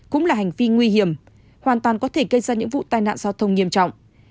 cũng là hành vi nguy hiểm hoàn toàn có thể gây ra những vụ tai nạn giao thông nghiêm trọng